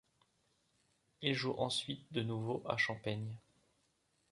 Ils jouent ensuite de nouveau à Champaign.